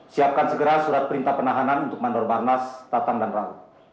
siapkan segera surat perintah penahanan untuk mandor barnas tatang dan ragu